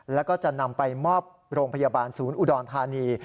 แล้วก็จะนำไปมอบโรงพยาบาลศูนย์อุดรธานี